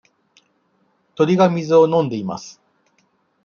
鳥が水を飲んでいます。